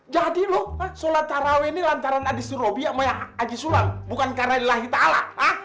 jadi lo sholat terawih ini lantaran adik surobi sama yang haji sulam bukan karena lelahi ta'ala